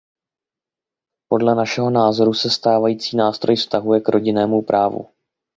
Podle našeho názoru se stávající nástroj vztahuje k rodinnému právu.